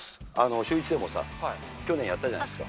シューイチでもさ、去年やったじゃないですか。